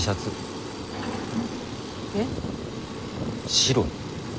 白い。